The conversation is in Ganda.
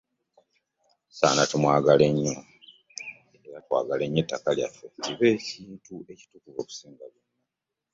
Tusaana tumwagale nnyo era twagale nnyo ettaka lyaffe kibe ekintu ekituukuvu okusinga byonna.